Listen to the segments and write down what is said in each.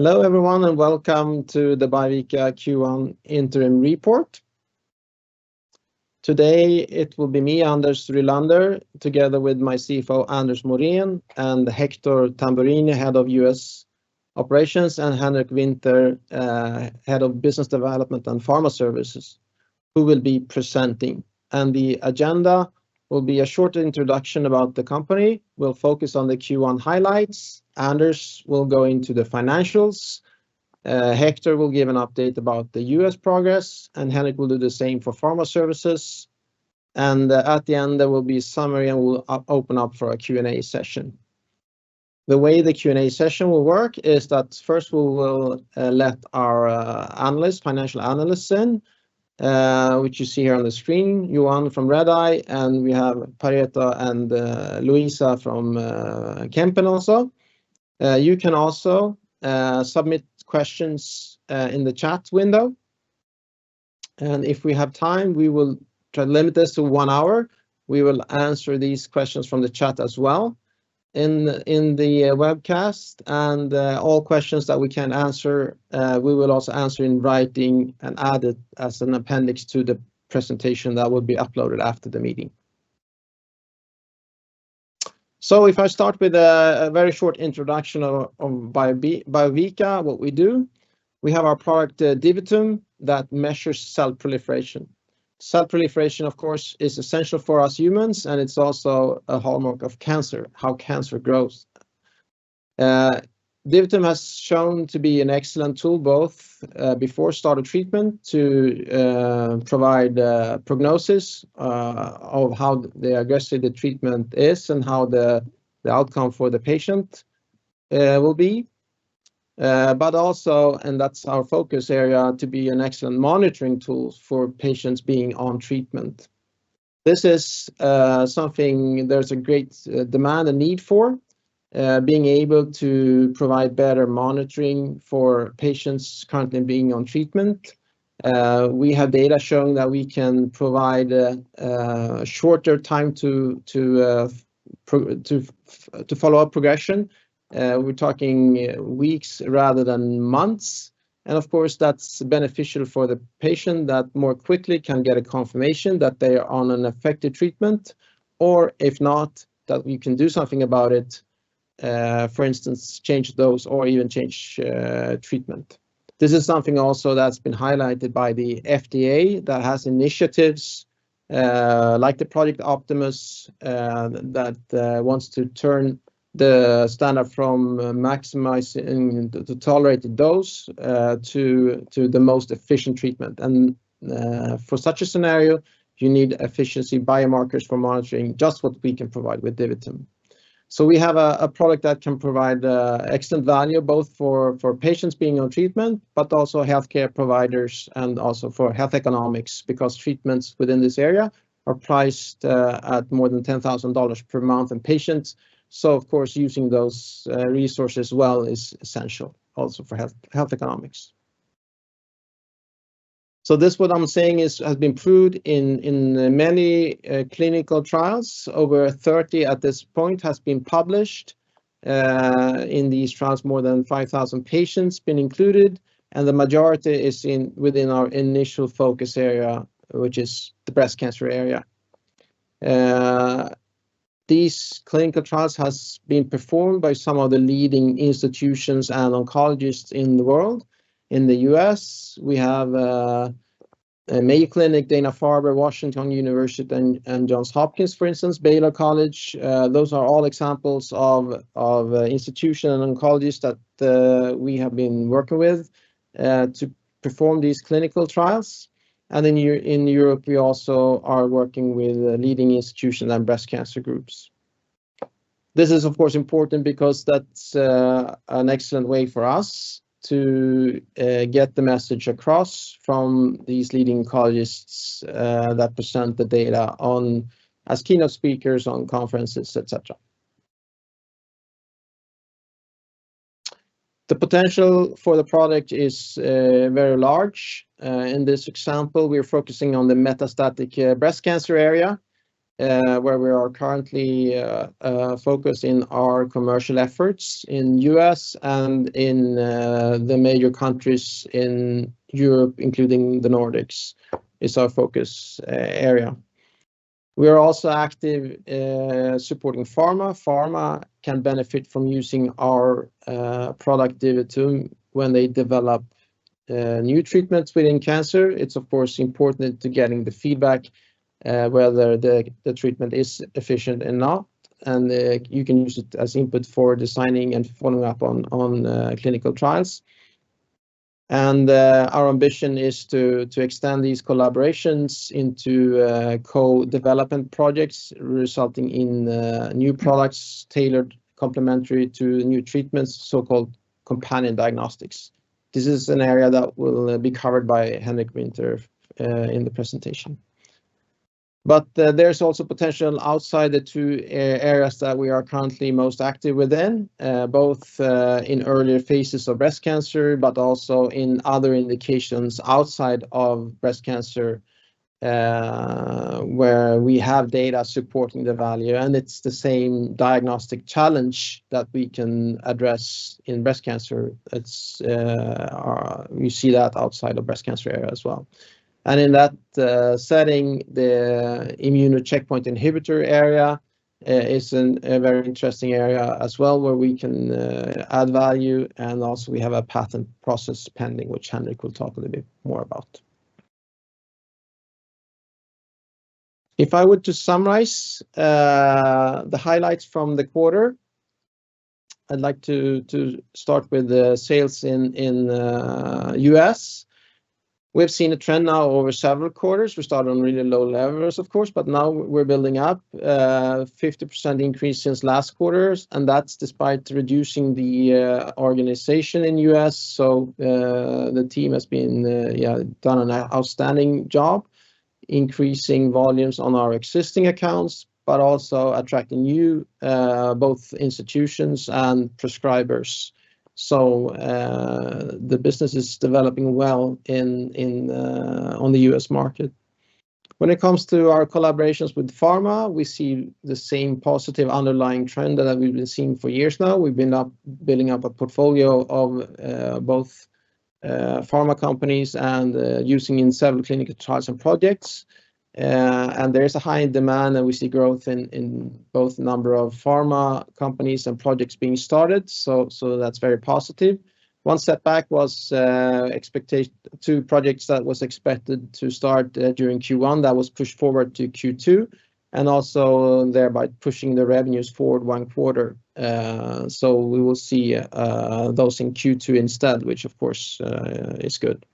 Hello everyone, and welcome to the Biovica Q1 Interim Report. Today, it will be me, Anders Rylander, together with my CFO, Anders Morén, and Hector Tamburrini, Head of U.S. Operations, and Henrik Winther, Head of Business Development and pharma Services, who will be presenting. And the agenda will be a short introduction about the company. We'll focus on the Q1 highlights. Anders will go into the financials, Hector will give an update about the U.S. progress, and Henrik will do the same for pharma services. And at the end, there will be a summary, and we'll open up for a Q&A session. The way the Q&A session will work is that first, we will let our analysts, financial analysts in, which you see here on the screen, Johan from Redeye, and we have Pareto and Luisa from Kempen also. You can also submit questions in the chat window, and if we have time, we will try to limit this to one hour. We will answer these questions from the chat as well in the webcast, and all questions that we can answer, we will also answer in writing and add it as an appendix to the presentation that will be uploaded after the meeting, so if I start with a very short introduction of Biovica, what we do. We have our product DiviTum that measures cell proliferation. Cell proliferation, of course, is essential for us humans, and it's also a hallmark of cancer, how cancer grows. DiviTum has shown to be an excellent tool, both before start of treatment to provide prognosis of how aggressive the treatment is and how the outcome for the patient will be, but also, and that's our focus area, to be an excellent monitoring tool for patients being on treatment. This is something there's a great demand and need for, being able to provide better monitoring for patients currently being on treatment. We have data showing that we can provide a shorter time to progression. We're talking weeks rather than months, and of course, that's beneficial for the patient, that more quickly can get a confirmation that they are on an effective treatment or, if not, that we can do something about it, for instance, change those or even change treatment. This is something also that's been highlighted by the FDA, that has initiatives, like the Project Optimus, that wants to turn the standard from maximizing the tolerated dose, to the most efficient treatment. And, for such a scenario, you need efficiency biomarkers for monitoring, just what we can provide with DiviTum. So we have a product that can provide excellent value, both for patients being on treatment, but also healthcare providers and also for health economics, because treatments within this area are priced at more than $10,000 per month in patients. So of course, using those resources well is essential also for health economics. So this, what I'm saying, has been proved in many clinical trials. Over 30 at this point has been published. In these trials, more than 5,000 patients been included, and the majority is in, within our initial focus area, which is the breast cancer area. These clinical trials has been performed by some of the leading institutions and oncologists in the world. In the U.S., we have Mayo Clinic, Dana-Farber, Washington University, and Johns Hopkins, for instance, Baylor College. Those are all examples of institution and oncologists that we have been working with to perform these clinical trials. And in Europe, we also are working with leading institutions and breast cancer groups. This is, of course, important because that's an excellent way for us to get the message across from these leading oncologists that present the data on, as keynote speakers on conferences, et cetera. The potential for the product is very large. In this example, we are focusing on the metastatic breast cancer area, where we are currently focused in our commercial efforts in U.S. and in the major countries in Europe, including the Nordics, is our focus area. We are also active supporting pharma. Pharma can benefit from using our product, DiviTum, when they develop new treatments within cancer. It's, of course, important to getting the feedback whether the treatment is efficient or not, and you can use it as input for designing and following up on clinical trials. Our ambition is to extend these collaborations into co-development projects, resulting in new products tailored complementary to new treatments, so-called companion diagnostics. This is an area that will be covered by Henrik Winther in the presentation. There's also potential outside the two areas that we are currently most active within, both in earlier phases of breast cancer, but also in other indications outside of breast cancer, where we have data supporting the value, and it's the same diagnostic challenge that we can address in breast cancer. It's we see that outside of breast cancer area as well. And in that setting, the immune checkpoint inhibitor area is a very interesting area as well, where we can add value, and also we have a patent process pending, which Henrik will talk a little bit more about. If I were to summarize the highlights from the quarter, I'd like to start with the sales in U.S. We've seen a trend now over several quarters. We started on really low levels, of course, but now we're building up 50% increase since last quarters, and that's despite reducing the organization in U.S. So the team has been yeah done an outstanding job increasing volumes on our existing accounts, but also attracting new both institutions and prescribers. So the business is developing well in on the U.S market. When it comes to our collaborations with Pharma, we see the same positive underlying trend that we've been seeing for years now. We've been building up a portfolio of both pharma companies and using in several clinical trials and projects, and there's a high demand, and we see growth in both number of pharma companies and projects being started, so that's very positive. One step back was two projects that was expected to start during Q1, that was pushed forward to Q2, and also thereby pushing the revenues forward one quarter, so we will see those in Q2 instead, which, of course, is good.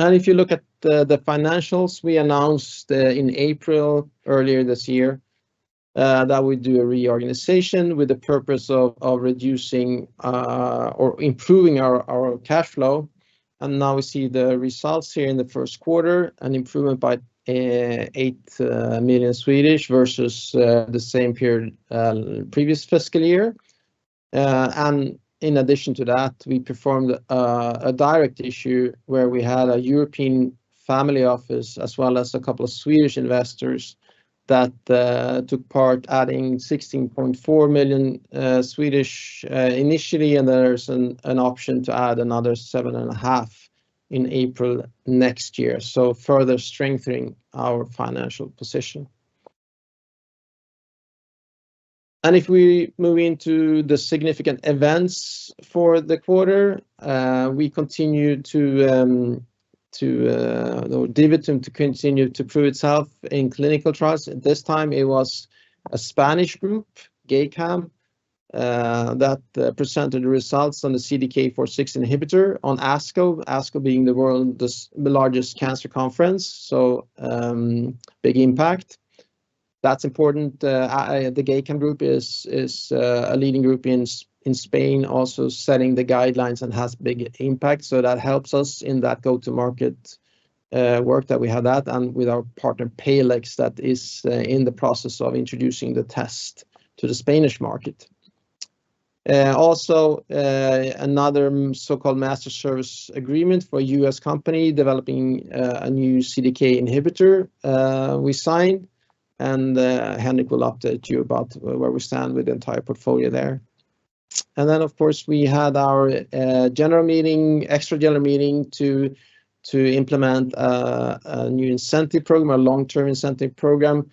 And if you look at the financials, we announced in April, earlier this year, that we'd do a reorganization with the purpose of reducing or improving our cash flow, and now we see the results here in the first quarter, an improvement by 8 million versus the same period previous fiscal year. And in addition to that, we performed a direct issue where we had a European family office, as well as a couple of Swedish investors that took part, adding 16.4 million initially, and there's an option to add another 7.5 million in April next year, so further strengthening our financial position. And if we move into the significant events for the quarter, we continued to DiviTum to continue to prove itself in clinical trials. This time it was a Spanish group, GEICAM, that presented the results on the CDK4/6 inhibitor on ASCO, ASCO being the world's largest cancer conference, so big impact. That's important. The GEICAM group is a leading group in Spain, also setting the guidelines and has big impact, so that helps us in that go-to-market work that we have that and with our partner, Palex, that is in the process of introducing the test to the Spanish market. Also, another so-called master service agreement for a US company developing a new CDK inhibitor we signed, and Henrik will update you about where we stand with the entire portfolio there. And then, of course, we had our general meeting, extra general meeting to implement a new incentive program, a long-term incentive program,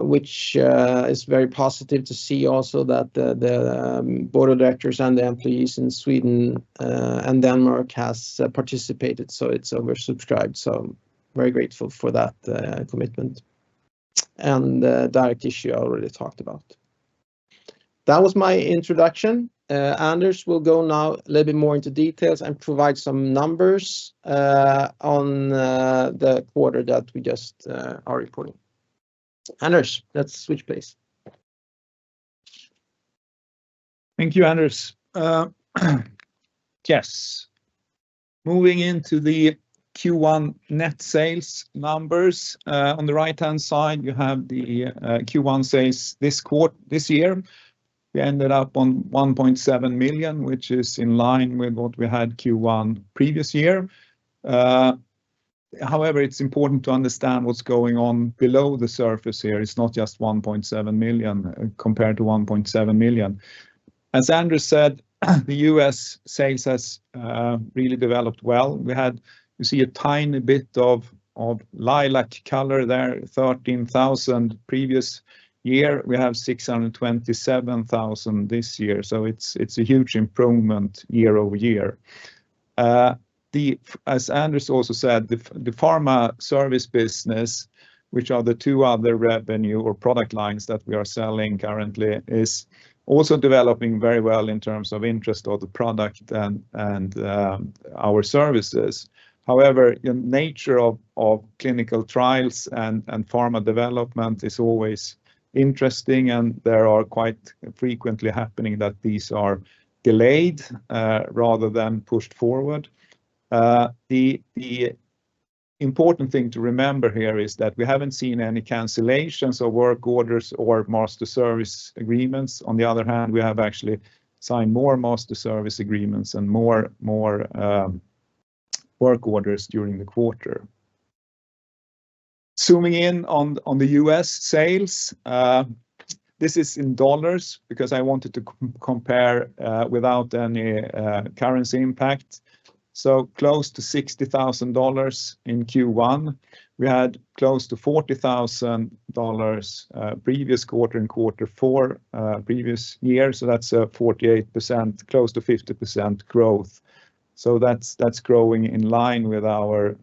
which is very positive to see also that the board of directors and the employees in Sweden and Denmark has participated, so it's oversubscribed, so very grateful for that commitment. And direct issue I already talked about. That was my introduction. Anders will go now a little bit more into details and provide some numbers on the quarter that we just are reporting. Anders, let's switch place. Thank you, Anders. Yes, moving into the Q1 net sales numbers. On the right-hand side, you have the Q1 sales this year. We ended up on 1.7 million, which is in line with what we had Q1 previous year. However, it's important to understand what's going on below the surface here. It's not just 1.7 million compared to 1.7 million. As Anders said, the U.S. sales has really developed well. We see a tiny bit of lilac color there, 13,000 previous year. We have 627,000 this year, so it's a huge improvement year over year. As Anders also said, the pharma service business, which are the two other revenue or product lines that we are selling currently, is also developing very well in terms of interest of the product and our services. However, the nature of clinical trials and pharma development is always interesting, and there are quite frequently happening that these are delayed rather than pushed forward. The important thing to remember here is that we haven't seen any cancellations of work orders or master service agreements. On the other hand, we have actually signed more master service agreements and more work orders during the quarter. Zooming in on the US sales, this is in dollars because I wanted to compare without any currency impact. So close to $60,000 in Q1. We had close to $40,000 previous quarter in quarter four previous year, so that's 48%, close to 50% growth. So that's growing in line with our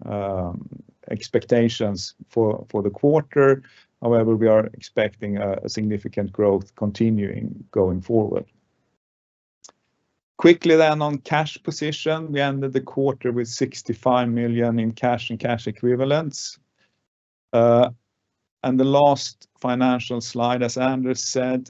expectations for the quarter. However, we are expecting a significant growth continuing going forward. Quickly then on cash position, we ended the quarter with 65 million SEK in cash and cash equivalents, and the last financial slide, as Anders said,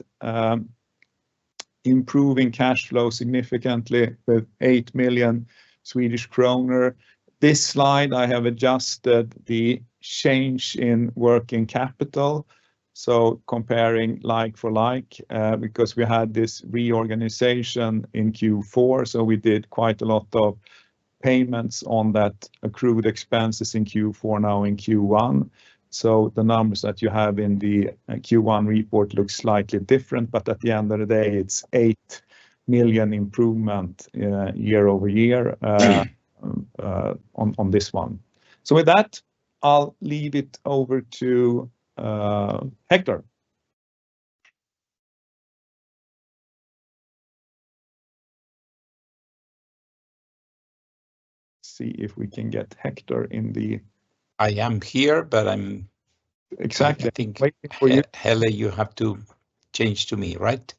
improving cash flow significantly with 8 million Swedish kronor. This slide, I have adjusted the change in working capital, so comparing like for like, because we had this reorganization in Q4, so we did quite a lot of payments on that accrued expenses in Q4 now in Q1, so the numbers that you have in the Q1 report look slightly different, but at the end of the day, it's eight million improvement year over year on this one, so with that, I'll leave it over to Hector. See if we can get Hector in the- I am here, but I'm- Exactly. Waiting for you. I think, Helle, you have to change to me, right?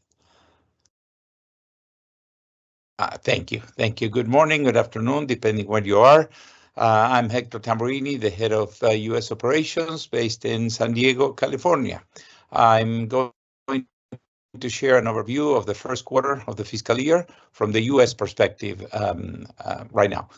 Thank you. Thank you. Good morning, good afternoon, depending where you are. I'm Hector Tamburrini, the head of U.S. operations, based in San Diego, California. I'm going to share an overview of the first quarter of the fiscal year from the U.S. perspective, right now.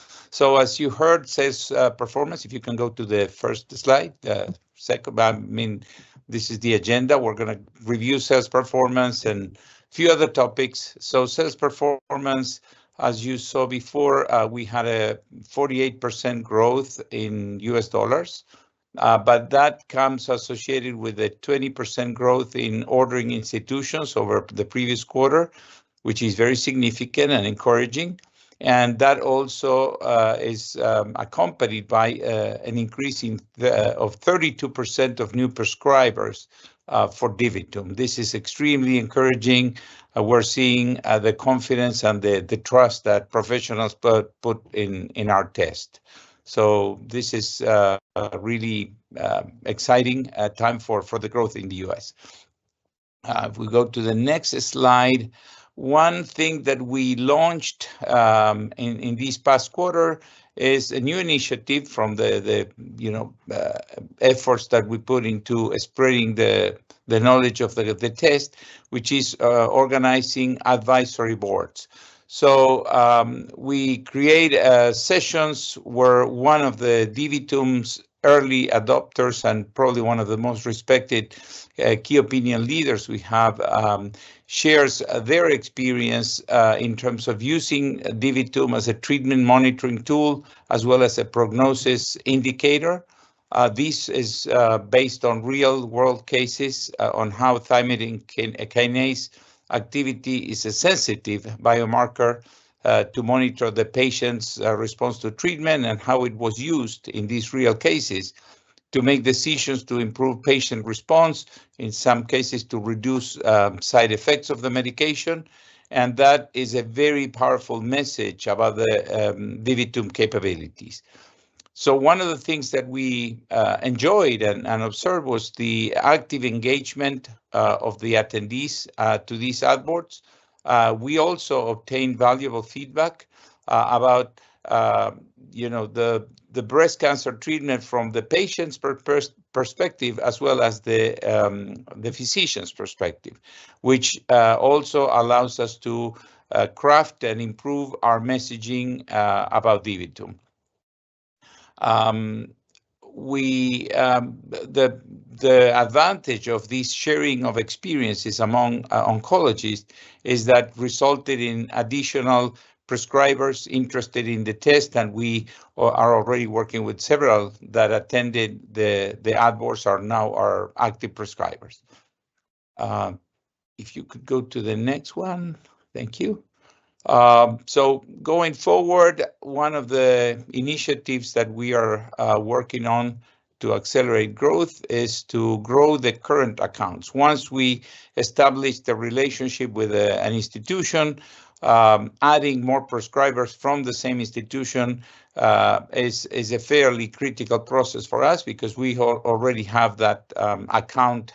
As you heard, sales performance, if you can go to the first slide, the second. I mean, this is the agenda. We're gonna review sales performance and few other topics. Sales performance, as you saw before, we had a 48% growth in U.S. dollars, but that comes associated with a 20% growth in ordering institutions over the previous quarter, which is very significant and encouraging. That also is accompanied by an increase in the of 32% of new prescribers for DiviTum. This is extremely encouraging. We're seeing the confidence and the trust that professionals put in our test. So this is a really exciting time for the growth in the US. If we go to the next slide, one thing that we launched in this past quarter is a new initiative from the you know efforts that we put into spreading the knowledge of the test, which is organizing advisory boards. So, we create sessions where one of the DiviTum's early adopters, and probably one of the most respected key opinion leaders we have, shares their experience in terms of using DiviTum as a treatment monitoring tool, as well as a prognosis indicator. This is based on real-world cases on how thymidine kinase activity is a sensitive biomarker to monitor the patient's response to treatment and how it was used in these real cases to make decisions to improve patient response, in some cases, to reduce side effects of the medication, and that is a very powerful message about the DiviTum capabilities. So one of the things that we enjoyed and observed was the active engagement of the attendees to these ad boards. We also obtained valuable feedback about, you know, the breast cancer treatment from the patient's perspective, as well as the physician's perspective, which also allows us to craft and improve our messaging about DiviTum. The advantage of this sharing of experiences among oncologists is that resulted in additional prescribers interested in the test, and we are already working with several that attended the ad boards are now our active prescribers. If you could go to the next one. Thank you. So going forward, one of the initiatives that we are working on to accelerate growth is to grow the current accounts. Once we establish the relationship with an institution, adding more prescribers from the same institution is a fairly critical process for us because we already have that account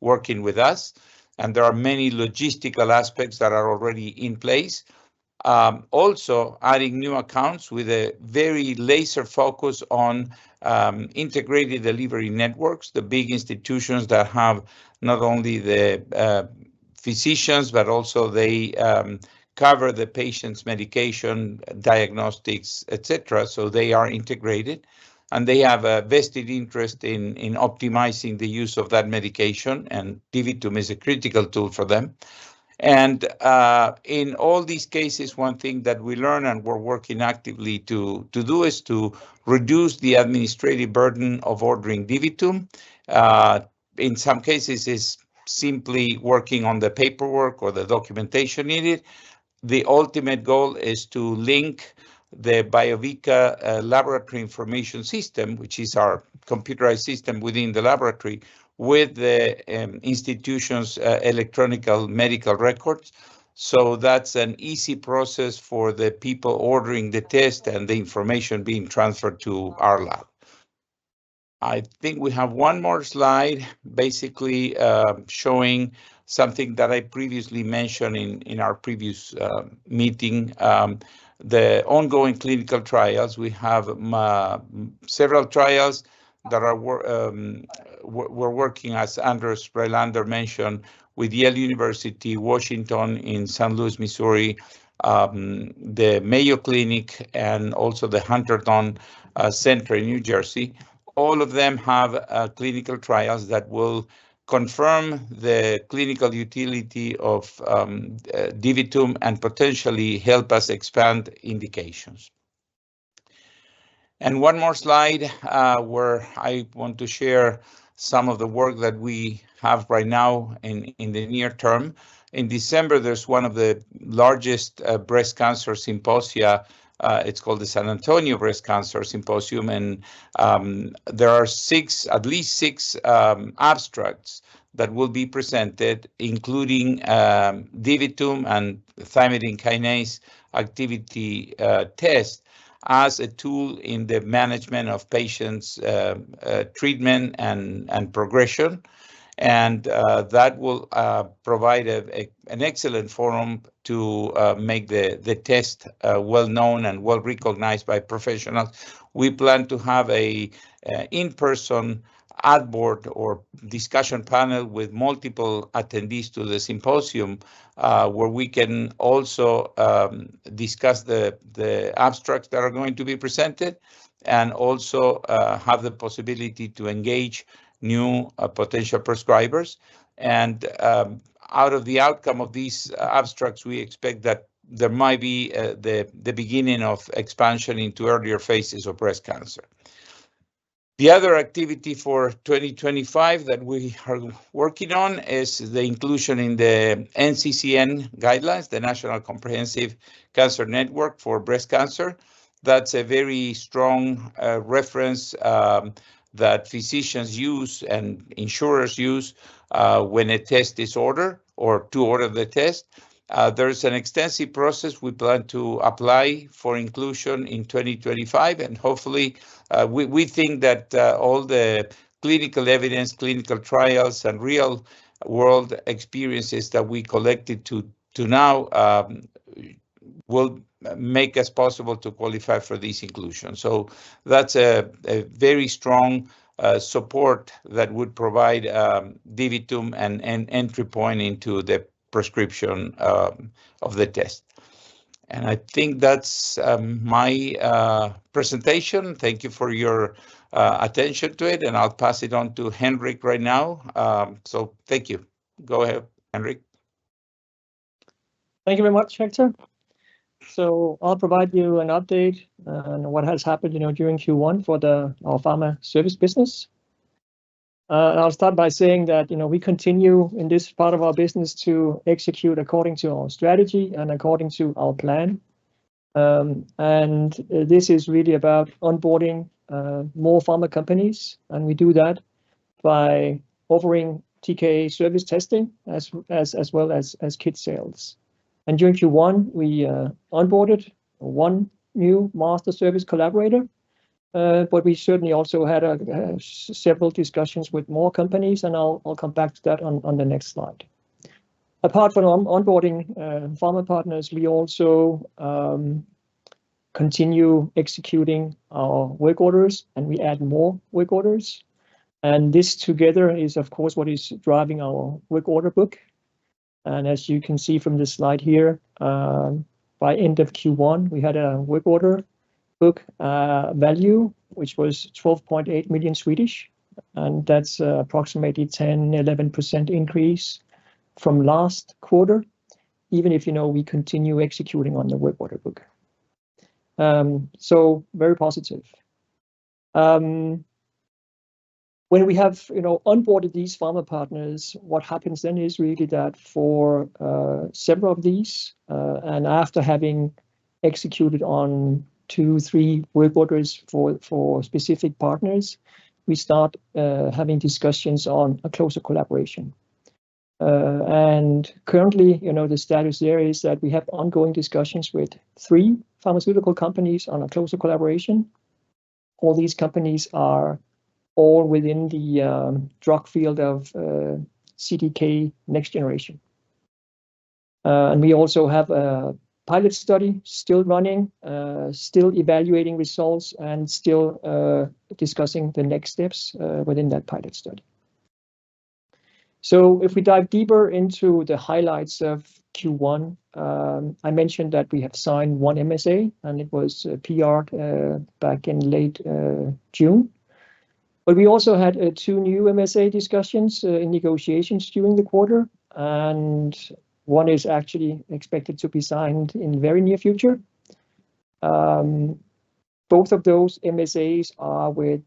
working with us, and there are many logistical aspects that are already in place. Also, adding new accounts with a very laser focus on integrated delivery networks, the big institutions that have not only the physicians, but also they cover the patient's medication, diagnostics, et cetera. So they are integrated, and they have a vested interest in optimizing the use of that medication, and DiviTum is a critical tool for them. In all these cases, one thing that we learn and we're working actively to do is to reduce the administrative burden of ordering DiviTum. In some cases, it's simply working on the paperwork or the documentation needed. The ultimate goal is to link the Biovica laboratory information system, which is our computerized system within the laboratory, with the institution's electronic medical records. So that's an easy process for the people ordering the test and the information being transferred to our lab. I think we have one more slide, basically, showing something that I previously mentioned in our previous meeting. The ongoing clinical trials, we have several trials that we're working, as Anders Rylander mentioned, with Yale University, Washington University in St. Louis, Missouri, the Mayo Clinic, and also the Hunterdon Center in New Jersey. All of them have clinical trials that will confirm the clinical utility of DiviTum and potentially help us expand indications. One more slide, where I want to share some of the work that we have right now in the near term. In December, there is one of the largest breast cancer symposia. It is called the San Antonio Breast Cancer Symposium, and there are six, at least six, abstracts that will be presented, including DiviTum and thymidine kinase activity test as a tool in the management of patients' treatment and progression. That will provide an excellent forum to make the test well-known and well-recognized by professionals. We plan to have an in-person ad board or discussion panel with multiple attendees to the symposium, where we can also discuss the abstracts that are going to be presented, and also have the possibility to engage new potential prescribers. And out of the outcome of these abstracts, we expect that there might be the beginning of expansion into earlier phases of breast cancer. The other activity for 2025 that we are working on is the inclusion in the NCCN guidelines, the National Comprehensive Cancer Network for breast cancer. That's a very strong reference that physicians use and insurers use when a test is ordered or to order the test. There is an extensive process we plan to apply for inclusion in 2025, and hopefully we think that all the clinical evidence, clinical trials, and real-world experiences that we collected to now will make us possible to qualify for this inclusion. That's a very strong support that would provide DiviTum an entry point into the prescription of the test. I think that's my presentation. Thank you for your attention to it, and I'll pass it on to Henrik right now. Thank you. Go ahead, Henrik. Thank you very much. So I'll provide you an update on what has happened, you know, during Q1 for the our pharma service business. I'll start by saying that, you know, we continue in this part of our business to execute according to our strategy and according to our plan. And this is really about onboarding more pharma companies, and we do that by offering TK service testing as well as kit sales. And during Q1, we onboarded one new master service collaborator, but we certainly also had several discussions with more companies, and I'll come back to that on the next slide. Apart from onboarding pharma partners, we also continue executing our work orders, and we add more work orders. This together is, of course, what is driving our work order book. As you can see from this slide here, by end of Q1, we had a work order book value, which was 12.8 million, and that's approximately 10%-11% increase from last quarter, even if, you know, we continue executing on the work order book. So very positive. When we have, you know, onboarded these pharma partners, what happens then is really that for several of these, and after having executed on two, three work orders for specific partners, we start having discussions on a closer collaboration. And currently, you know, the status there is that we have ongoing discussions with three pharmaceutical companies on a closer collaboration. All these companies are all within the drug field of CDK Next Generation. And we also have a pilot study still running, still evaluating results, and still discussing the next steps within that pilot study. So if we dive deeper into the highlights of Q1, I mentioned that we have signed one MSA, and it was PR back in late June. But we also had two new MSA discussions in negotiations during the quarter, and one is actually expected to be signed in the very near future. Both of those MSAs are with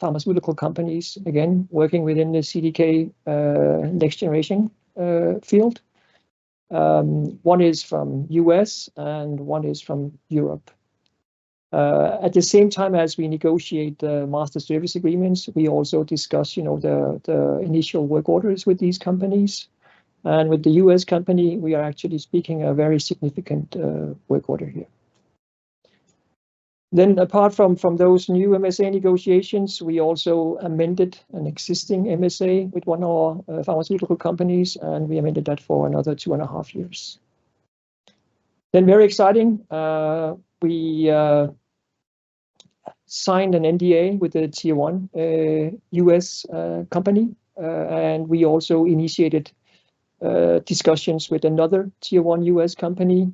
pharmaceutical companies, again, working within the CDK next generation field. One is from U.S., and one is from Europe. At the same time as we negotiate the master service agreements, we also discuss, you know, the initial work orders with these companies. And with the US company, we are actually speaking a very significant work order here. Then apart from those new MSA negotiations, we also amended an existing MSA with one of our pharmaceutical companies, and we amended that for another two and a half years. Then very exciting, we signed an NDA with a Tier 1 US company, and we also initiated discussions with another Tier 1 US company.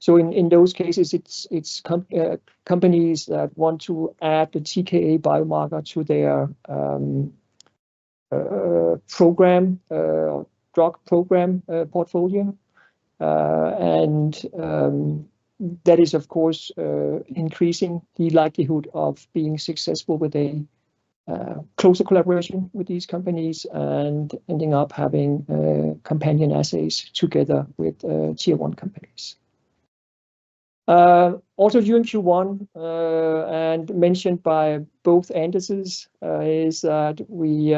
So in those cases, it's companies that want to add the TKa biomarker to their drug program portfolio. And that is, of course, increasing the likelihood of being successful with a closer collaboration with these companies and ending up having companion assays together with Tier 1 companies. Also during Q1, and mentioned by both Anderses, is that we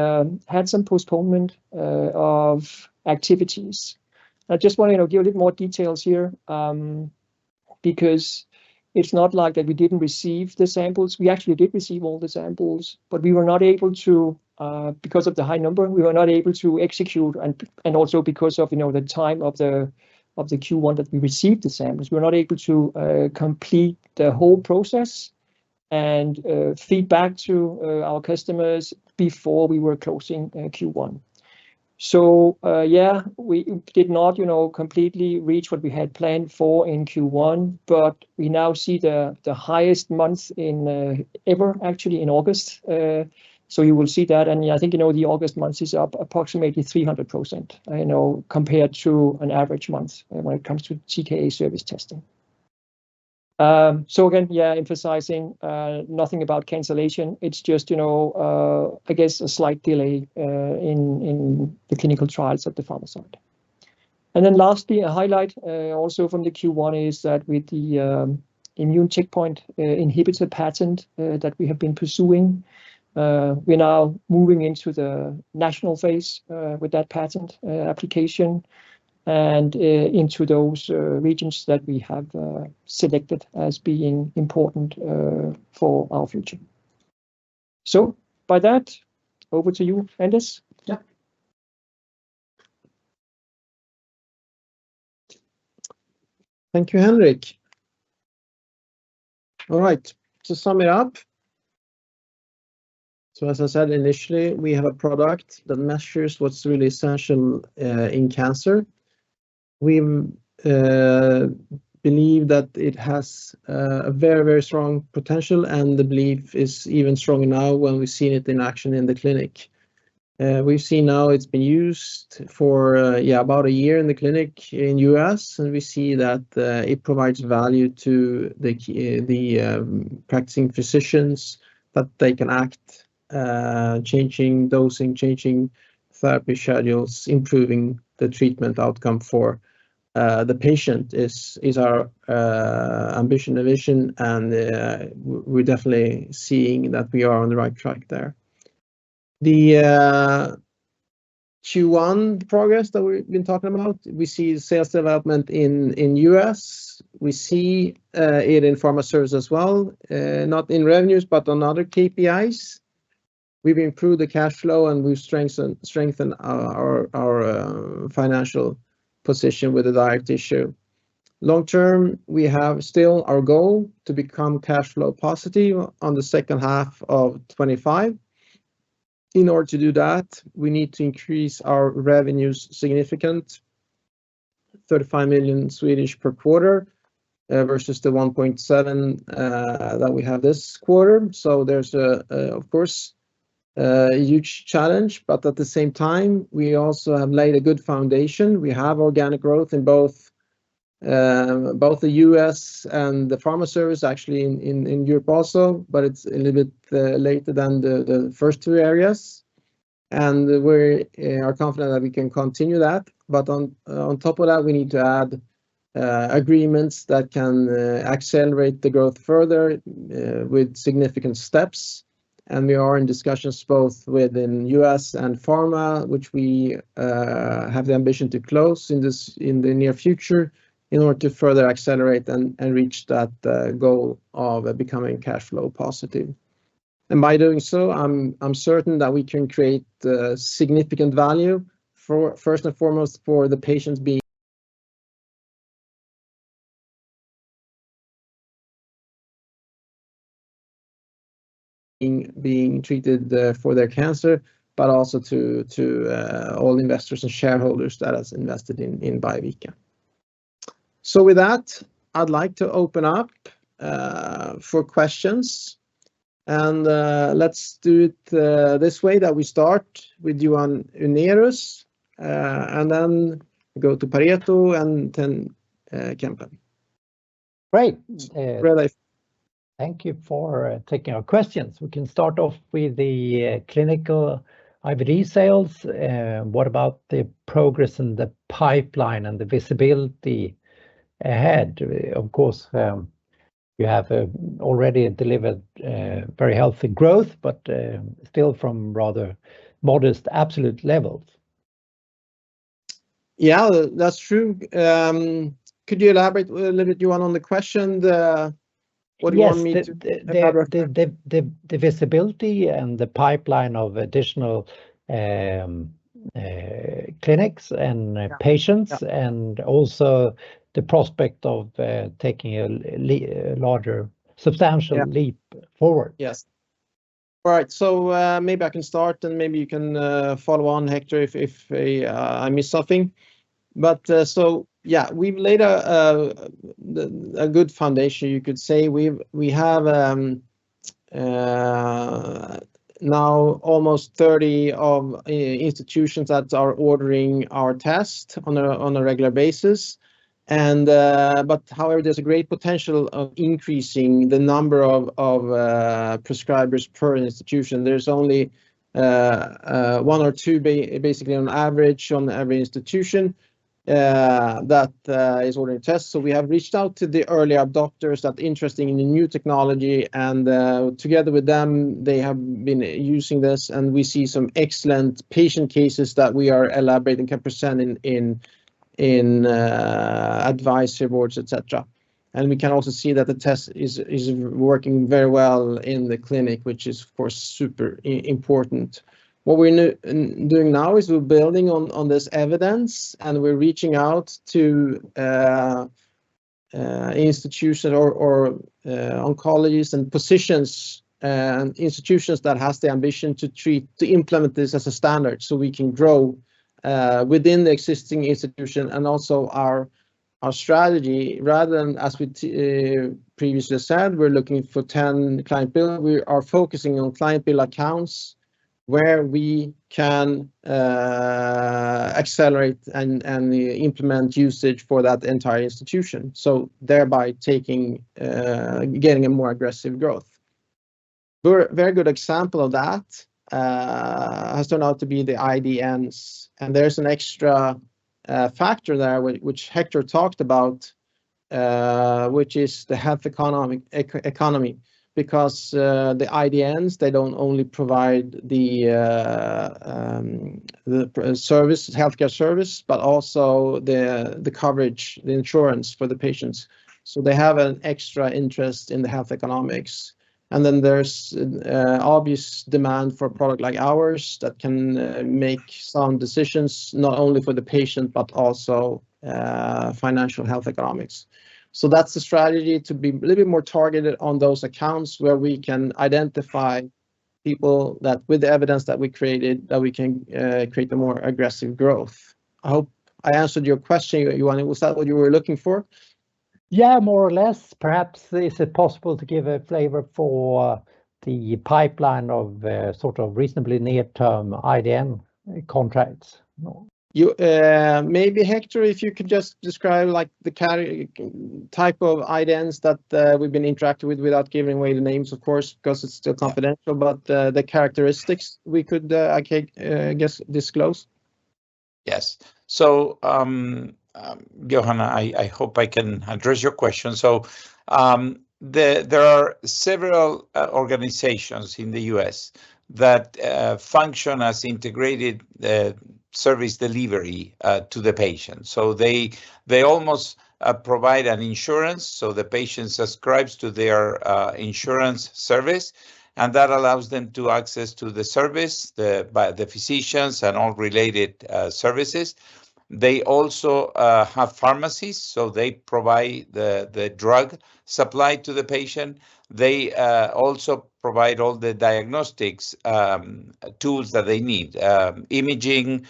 had some postponement of activities. I just want to, you know, give a bit more details here, because it's not like that we didn't receive the samples. We actually did receive all the samples, but we were not able to, because of the high number, we were not able to execute and also because of, you know, the time of the Q1 that we received the samples, we were not able to complete the whole process and feedback to our customers before we were closing Q1. Yeah, we did not, you know, completely reach what we had planned for in Q1, but we now see the highest month in ever, actually, in August. So you will see that, and I think, you know, the August month is up approximately 300%, you know, compared to an average month when it comes to TKA service testing. So again, yeah, emphasizing nothing about cancellation. It's just, you know, I guess, a slight delay in the clinical trials at the pharma side. And then lastly, a highlight also from the Q1 is that with the immune checkpoint inhibitor patent that we have been pursuing, we're now moving into the national phase with that patent application and into those regions that we have selected as being important for our future. So by that, over to you, Anders. Yeah. Thank you, Henrik. All right, to sum it up, so as I said initially, we have a product that measures what's really essential in cancer. We believe that it has a very, very strong potential, and the belief is even stronger now when we've seen it in action in the clinic. We've seen now it's been used for about a year in the clinic in US, and we see that it provides value to the practicing physicians, that they can act changing dosing, changing therapy schedules, improving the treatment outcome for the patient is our ambition, the vision, and we're definitely seeing that we are on the right track there. The Q1 progress that we've been talking about, we see sales development in US. We see it in pharma service as well, not in revenues, but on other KPIs. We've improved the cash flow, and we've strengthened our financial position with a direct issue. Long term, we have still our goal to become cash flow positive on the second half of 2025. In order to do that, we need to increase our revenues significant, 35 million SEK per quarter, versus the 1.7 that we have this quarter. So there's, of course, a huge challenge, but at the same time, we also have laid a good foundation. We have organic growth in both the U.S. and the pharma service, actually in Europe also, but it's a little bit later than the first two areas. And we're confident that we can continue that, but on top of that, we need to add agreements that can accelerate the growth further with significant steps. And we are in discussions both within U.S. and Pharma, which we have the ambition to close in the near future in order to further accelerate and reach that goal of becoming cash flow positive. And by doing so, I'm certain that we can create significant value for, first and foremost, for the patients being treated for their cancer, but also to all investors and shareholders that has invested in Biovica. So with that, I'd like to open up for questions, and let's do it this way, that we start with Johan Unnéus, and then go to Pareto, and then Kempen. Great, uh- Really. Thank you for taking our questions. We can start off with the clinical IVD sales. What about the progress in the pipeline and the visibility ahead? Of course, you have already delivered very healthy growth, but still from rather modest absolute levels. Yeah, that's true. Could you elaborate a little bit, Johan, on the question? The... What do you want me to elaborate on? Yes, the visibility and the pipeline of additional clinics and- Yeah... patients- Yeah... and also the prospect of taking a larger, substantial- Yeah... leap forward. Yes. All right, so maybe I can start, and maybe you can follow on, Hector, if I miss something, but so yeah, we've laid a good foundation, you could say. We have now almost 30 institutions that are ordering our test on a regular basis, and but however, there's a great potential of increasing the number of prescribers per institution. There's only one or two basically on average on every institution that is ordering tests. So we have reached out to the earlier adopters that are interested in the new technology, and together with them, they have been using this, and we see some excellent patient cases that we are elaborating, presenting in advisory boards, et cetera. And we can also see that the test is working very well in the clinic, which is, of course, super important. What we're doing now is we're building on this evidence, and we're reaching out to institution or oncologists and physicians, and institutions that has the ambition to implement this as a standard, so we can grow within the existing institution. And also our strategy, rather than as we previously said, we're looking for 10 client bill, we are focusing on client bill accounts where we can accelerate and implement usage for that entire institution, so thereby taking getting a more aggressive growth. Very, very good example of that has turned out to be the IDNs, and there's an extra factor there, which Hector talked about, which is the health economics. Because the IDNs, they don't only provide the healthcare service, but also the coverage, the insurance for the patients. So they have an extra interest in the health economics. And then there's obvious demand for a product like ours that can make some decisions, not only for the patient but also financial health economics. So that's the strategy, to be a little bit more targeted on those accounts where we can identify people that, with the evidence that we created, that we can create a more aggressive growth. I hope I answered your question, Johan. Was that what you were looking for? Yeah, more or less. Perhaps, is it possible to give a flavor for the pipeline of, sort of reasonably near-term IDN contracts? No. You, maybe Hector, if you could just describe, like, the type of IDNs that we've been interacting with, without giving away the names, of course, because it's still confidential. But the characteristics, we could, I guess, disclose. Yes. So, Johan, I hope I can address your question. So, there are several organizations in the U.S. that function as integrated service delivery to the patient. So they almost provide an insurance, so the patient subscribes to their insurance service, and that allows them to access to the service by the physicians and all related services. They also have pharmacies, so they provide the drug supply to the patient. They also provide all the diagnostics tools that they need, imaging,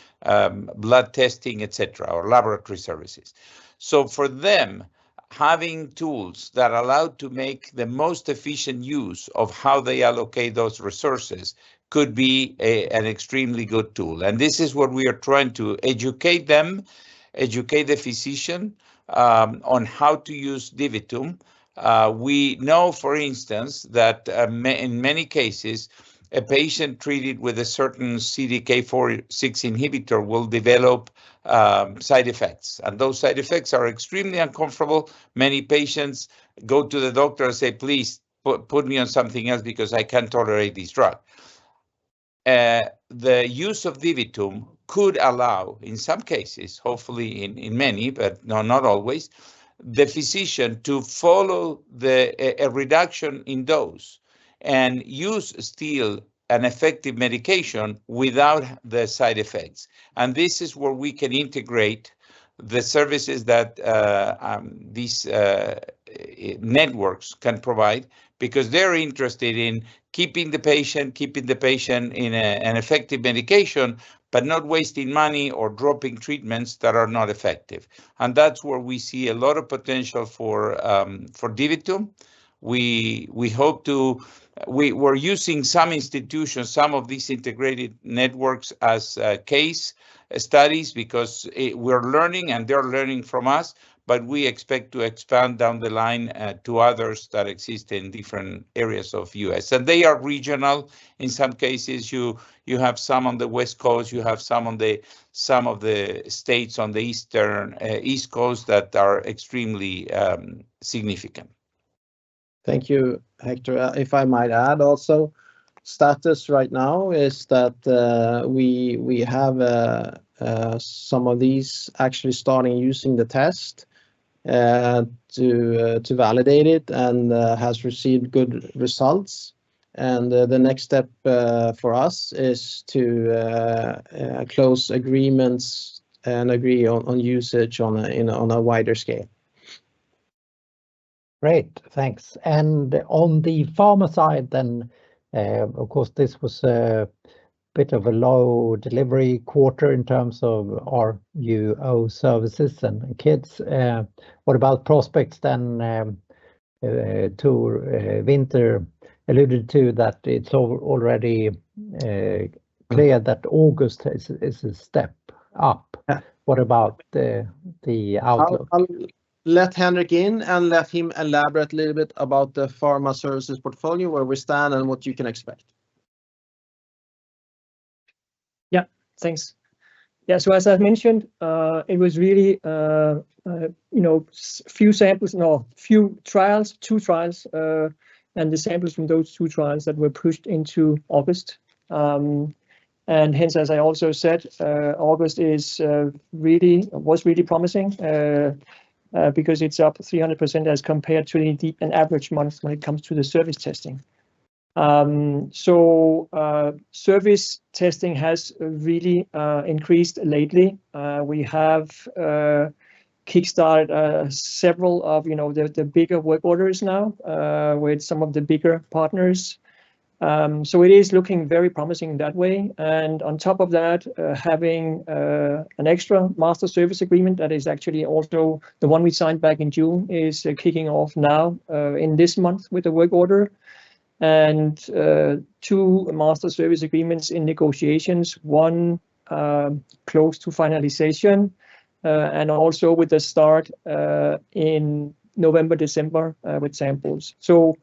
blood testing, et cetera, or laboratory services. So for them, having tools that allow to make the most efficient use of how they allocate those resources could be an extremely good tool, and this is what we are trying to educate them, educate the physician, on how to use DiviTum. We know, for instance, that in many cases, a patient treated with a certain CDK4/6 inhibitor will develop side effects, and those side effects are extremely uncomfortable. Many patients go to the doctor and say, "Please, put me on something else because I can't tolerate this drug." The use of DiviTum could allow, in some cases, hopefully in many, but no, not always, the physician to follow a reduction in dose and use still an effective medication without the side effects. This is where we can integrate the services that these networks can provide, because they're interested in keeping the patient in an effective medication, but not wasting money or dropping treatments that are not effective. That's where we see a lot of potential for DiviTum. We're using some institutions, some of these integrated networks as case studies, because we're learning, and they're learning from us, but we expect to expand down the line to others that exist in different areas of U.S. They are regional. In some cases, you have some on the West Coast, you have some on the some of the states on the eastern East Coast that are extremely significant. Thank you, Hector. If I might add also, status right now is that we have some of these actually starting using the test to validate it, and has received good results. The next step for us is to close agreements and agree on usage on a wider scale. Great, thanks. And on the pharma side, then, of course, this was a bit of a low delivery quarter in terms of our new pharma services and kits. What about prospects then? Henrik Winther alluded to that it's already clear that August is a step up. Yeah. What about the outlook? I'll let Henrik in, and let him elaborate a little bit about the pharma services portfolio, where we stand, and what you can expect. Yeah, thanks. Yeah, so as I mentioned, it was really you know few trials, and the samples from those two trials that were pushed into August, and hence, as I also said, August was really promising because it's up 300% as compared to an average month when it comes to the service testing. So service testing has really increased lately. We have kickstarted several of you know the bigger work orders now with some of the bigger partners. So it is looking very promising that way, and on top of that, having an extra master service agreement, that is actually also the one we signed back in June, is kicking off now in this month with the work order. Two master service agreements in negotiations, one close to finalization, and also with the start in November, December, with samples. So,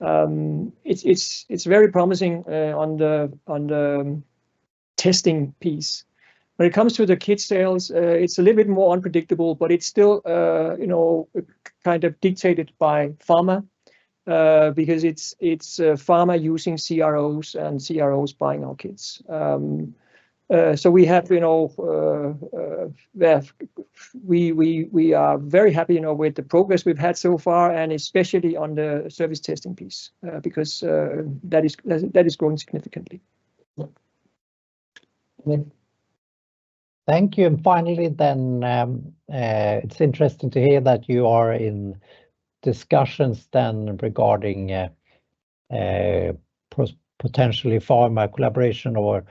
it's very promising on the testing piece. When it comes to the kit sales, it's a little bit more unpredictable, but it's still, you know, kind of dictated by pharma, because it's pharma using CROs and CROs buying our kits. So we have, you know, we are very happy, you know, with the progress we've had so far, and especially on the service testing piece, because that is growing significantly. Yeah. Thank you, and finally, then, it's interesting to hear that you are in discussions then regarding potentially pharma collaboration or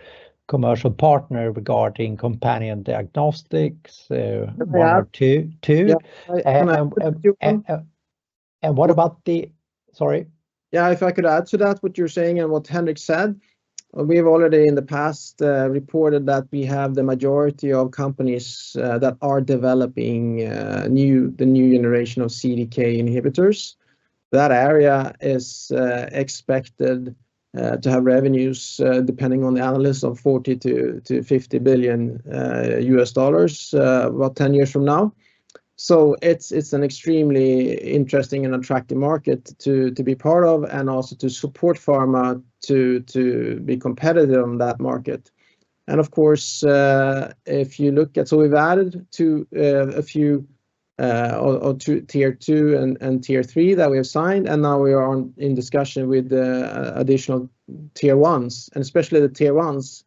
commercial partner regarding companion diagnostics. Yeah... one or two, two. Yeah. And- Uh What about the...? Sorry? Yeah, if I could add to that, what you're saying and what Henrik said, we have already in the past reported that we have the majority of companies that are developing the new generation of CDK inhibitors. That area is expected to have revenues, depending on the analysis, of $40-50 billion about 10 years from now. So it's an extremely interesting and attractive market to be part of, and also to support pharma to be competitive on that market. Of course, if you look at... So we've added two tier two and tier three that we have signed, and now we are in discussion with the additional tier ones. And especially the tier ones,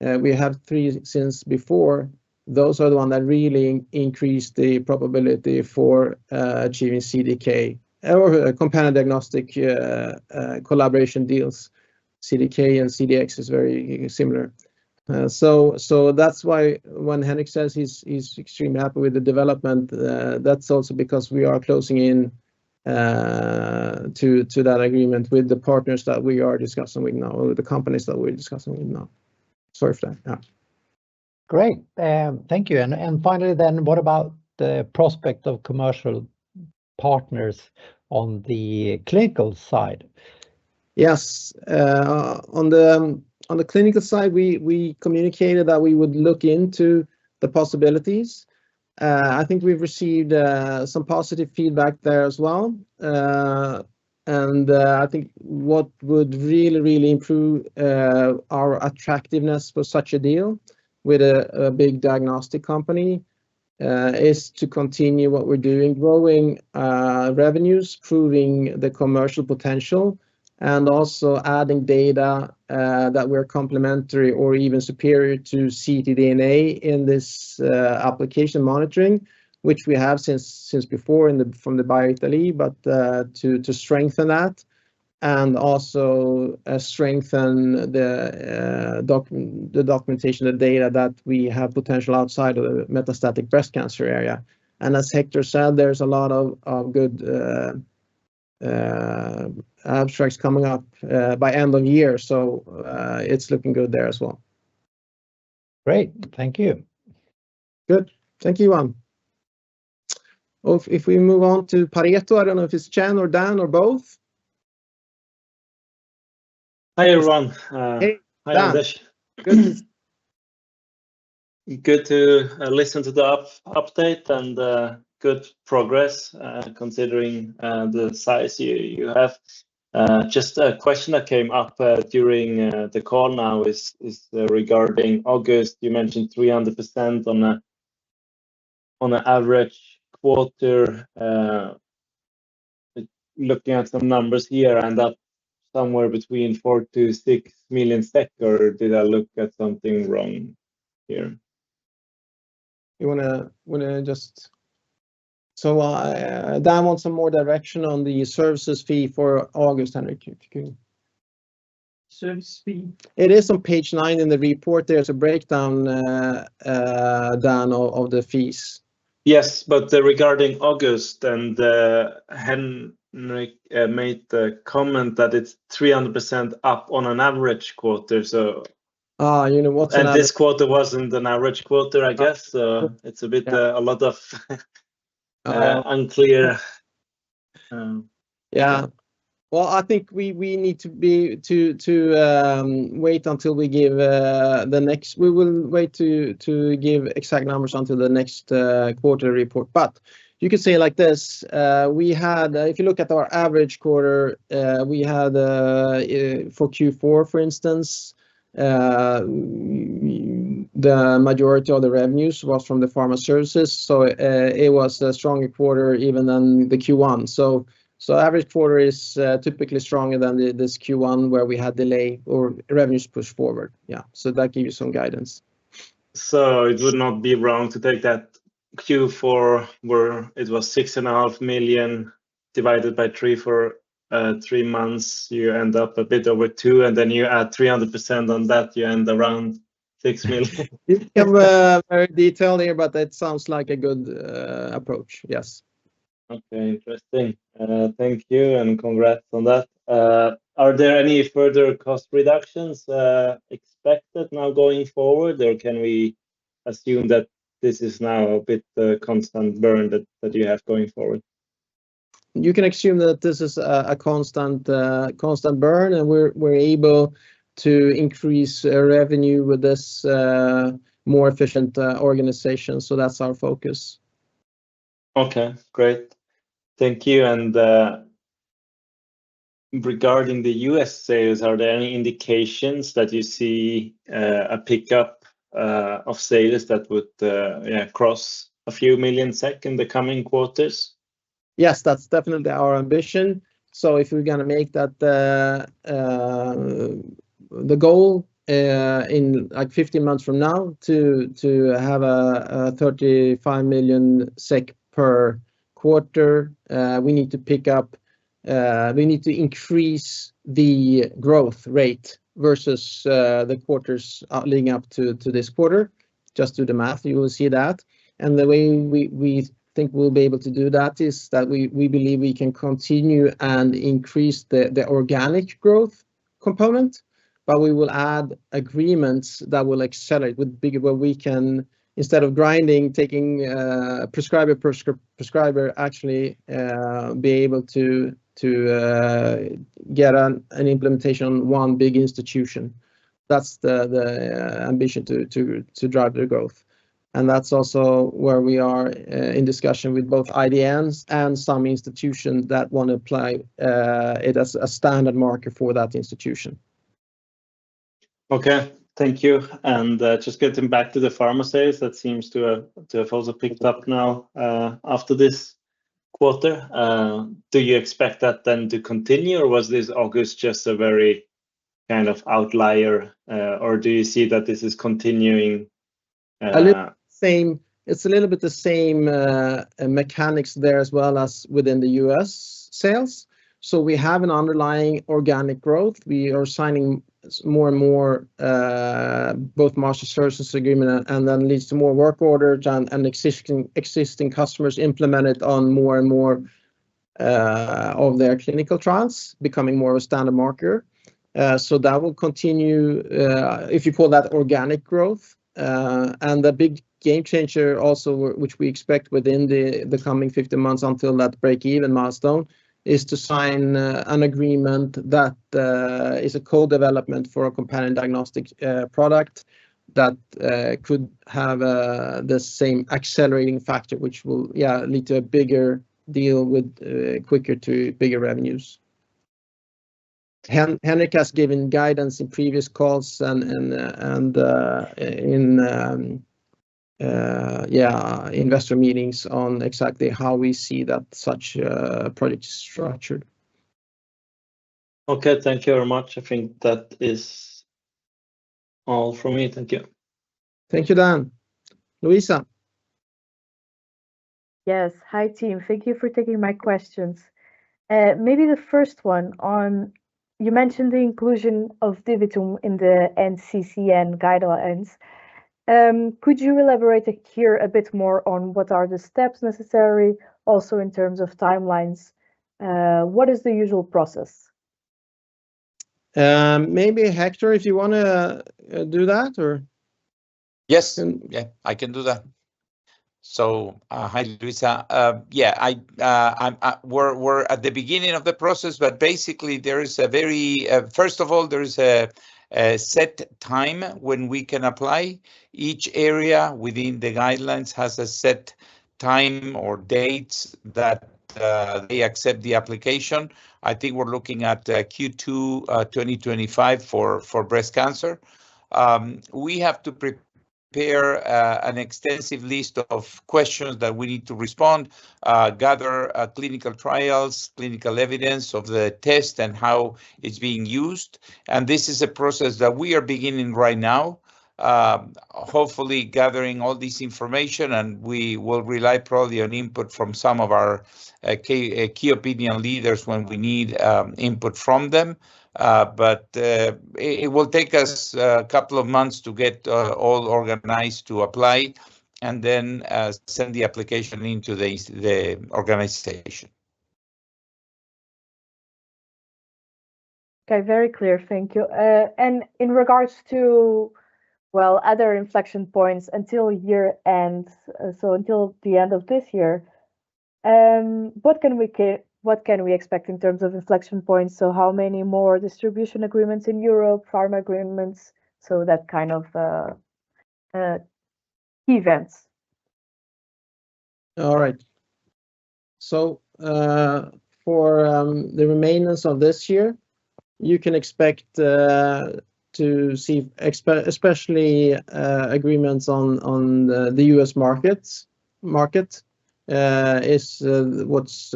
we have three since before. Those are the ones that really increase the probability for achieving CDK or companion diagnostic collaboration deals. CDK and CDX is very similar, so that's why when Henrik says he's extremely happy with the development, that's also because we are closing in to that agreement with the partners that we are discussing with now, or the companies that we're discussing with now. Sorry for that, yeah. Great. Thank you. And finally, then, what about the prospect of commercial partners on the clinical side? Yes. On the clinical side, we communicated that we would look into the possibilities. I think we've received some positive feedback there as well. And I think what would really improve our attractiveness for such a deal with a big diagnostic company is to continue what we're doing, growing revenues, proving the commercial potential, and also adding data that we're complementary or even superior to ctDNA in this application monitoring, which we have since before from the BioItaLEE, but to strengthen that, and also strengthen the documentation, the data that we have potential outside of the metastatic breast cancer area. As Hector said, there's a lot of good abstracts coming up by end of year. So, it's looking good there as well. Great. Thank you. Good. Thank you, Juan. If we move on to Pareto, I don't know if it's Jan or Dan or both. Hi, everyone. Hey. Hi, Anders. Good. Good to listen to the update and good progress, considering the size you have. Just a question that came up during the call now is regarding August. You mentioned 300% on an average quarter. Looking at some numbers here, and that's somewhere between 4 million-6 million SEK, or did I look at something wrong here? You wanna just... So, Dan wants some more direction on the services fee for August, Henrik. Service fee? It is on page nine in the report. There's a breakdown, Dan, of the fees. Yes, but regarding August, and Henrik made the comment that it's 300% up on an average quarter, so- Ah, you know what- And this quarter wasn't an average quarter, I guess, so it's a bit- Yeah... a lot of Uh -unclear, um. Yeah. Well, I think we need to wait until we give the next- we will wait to give exact numbers until the next quarter report. But you could say it like this. We had, if you look at our average quarter, for Q4, for instance, the majority of the revenues was from the pharma services, so it was a stronger quarter even than the Q1. So average quarter is typically stronger than this Q1, where we had delay or revenues pushed forward. Yeah, so that gives you some guidance. So it would not be wrong to take that Q4, where it was 6.5 million SEK, divided by three for three months, you end up a bit over two, and then you add 300% on that, you end around six million SEK. You give a very detailed here, but that sounds like a good approach. Yes. Okay, interesting. Thank you, and congrats on that. Are there any further cost reductions expected now going forward, or can we assume that this is now a bit the constant burn that you have going forward? You can assume that this is a constant burn, and we're able to increase our revenue with this more efficient organization, so that's our focus. Okay, great. Thank you, and, regarding the U.S. sales, are there any indications that you see, a pickup, of sales that would, yeah, cross a few million SEK in the coming quarters? Yes, that's definitely our ambition. So if we're gonna make that the goal in like 15 months from now, to have 35 million SEK per quarter, we need to pick up, we need to increase the growth rate versus the quarters leading up to this quarter. Just do the math, you will see that. And the way we think we'll be able to do that is that we believe we can continue and increase the organic growth component, but we will add agreements that will accelerate, with bigger, where we can, instead of grinding, taking prescriber, actually, be able to get an implementation, one big institution. That's the ambition to drive the growth, and that's also where we are in discussion with both IDNs and some institutions that want to apply it as a standard marker for that institution. Okay, thank you, and just getting back to the pharma sales, that seems to have also picked up now after this quarter. Do you expect that then to continue, or was this August just a very kind of outlier, or do you see that this is continuing? A little same. It's a little bit the same mechanics there as well as within the U.S. sales. So we have an underlying organic growth. We are signing more and more both master services agreement, and that leads to more work orders, and existing customers implemented on more and more of their clinical trials, becoming more of a standard marker. So that will continue, if you call that organic growth. And the big game changer also, which we expect within the coming 15 months until that breakeven milestone, is to sign an agreement that is a co-development for a companion diagnostics product that could have the same accelerating factor, which will, yeah, lead to a bigger deal with quicker to bigger revenues. Henrik has given guidance in previous calls and in investor meetings on exactly how we see that such a project is structured. Okay, thank you very much. I think that is all from me. Thank you. Thank you, Dan. Luisa? Yes. Hi, team. Thank you for taking my questions. Maybe the first one on... You mentioned the inclusion of DiviTum in the NCCN guidelines. Could you elaborate here a bit more on what are the steps necessary, also in terms of timelines, what is the usual process? Maybe Hector, if you want to do that, or? Yes, yeah, I can do that, so hi, Luisa. Yeah, I, we're at the beginning of the process, but basically there is a very... First of all, there is a set time when we can apply. Each area within the guidelines has a set time or dates that they accept the application. I think we're looking at Q2 2025 for breast cancer. We have to prepare an extensive list of questions that we need to respond, gather clinical trials, clinical evidence of the test, and how it's being used, and this is a process that we are beginning right now. Hopefully gathering all this information, and we will rely probably on input from some of our key opinion leaders when we need input from them. But it will take us a couple of months to get all organized to apply, and then send the application into the organization. Okay, very clear, thank you. And in regards to, well, other inflection points until year-end, so until the end of this year, what can we expect in terms of inflection points? So how many more distribution agreements in Europe, pharma agreements, so that kind of events? All right. So, for the remainder of this year, you can expect to see especially agreements on the U.S. market is what's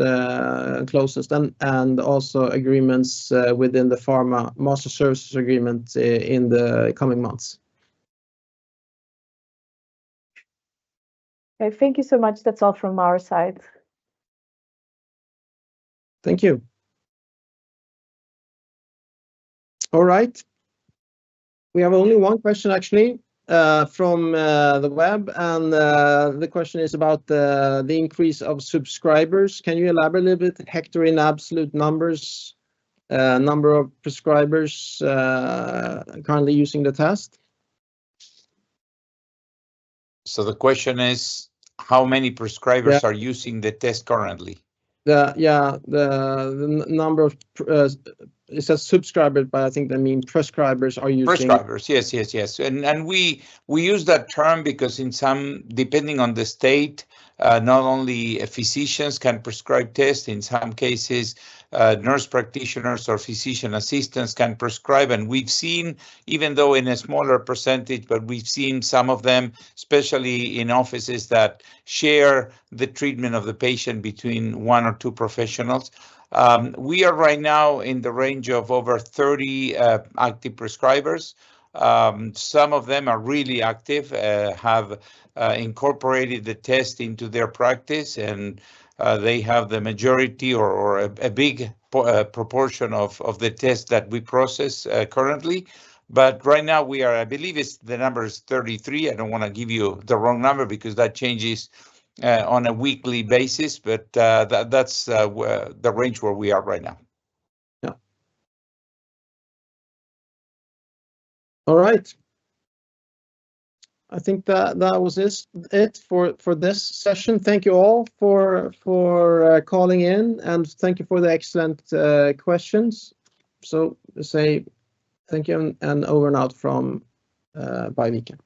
closest, and also agreements within the pharma master services agreement in the coming months. Okay, thank you so much. That's all from our side. Thank you. All right, we have only one question, actually, from the web, and the question is about the increase of subscribers. Can you elaborate a little bit, Hector, in absolute numbers, number of prescribers currently using the test? So the question is, how many prescribers- Yeah... are using the test currently? Yeah, the number of. It says subscriber, but I think they mean prescribers are using- Prescribers, yes, yes, yes. And we use that term because in some, depending on the state, not only physicians can prescribe tests. In some cases, nurse practitioners or physician assistants can prescribe, and we've seen, even though in a smaller percentage, but we've seen some of them, especially in offices that share the treatment of the patient between one or two professionals. We are right now in the range of over 30 active prescribers. Some of them are really active, have incorporated the test into their practice, and they have the majority or a big proportion of the tests that we process currently. But right now we are, I believe the number is 33. I don't want to give you the wrong number, because that changes on a weekly basis, but that's the range where we are right now. Yeah. All right. I think that was it for this session. Thank you all for calling in, and thank you for the excellent questions. So let's say thank you, and over and out from Biovica.